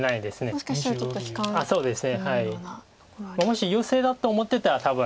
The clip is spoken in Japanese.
もし優勢だと思ってたら多分。